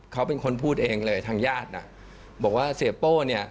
เขาเป็นคนพูดเองเลยทางญาติน่ะบอกว่าเสียโป้เนี่ย